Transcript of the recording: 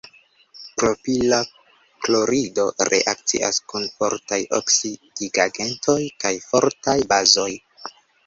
Propila klorido reakcias kun fortaj oksidigagentoj kaj fortaj bazoj.